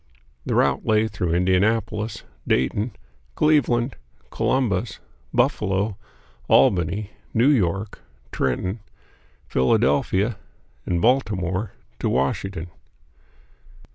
The route lay through Indianapolis, Dayton, Cleveland, Columbus, Buffalo, Albany, New York, Trenton, Philadelphia, and Baltimore, to Washington.